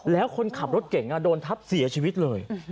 แล้วคนขับรถเก่งโดนทับเสียชีวิตเลย